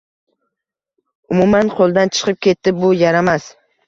Umuman qoʻldan chiqib ketdi bu yaramas.